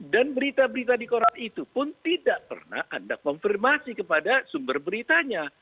dan berita berita di koran itu pun tidak pernah anda konfirmasi kepada sumber beritanya